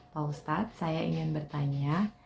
pak ustadz saya ingin bertanya